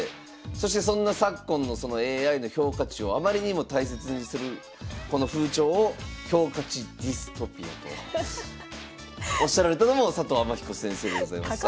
そしてそんな昨今のそのＡＩの評価値をあまりにも大切にするこの風潮を評価値ディストピアとおっしゃられたのも佐藤天彦先生でございます。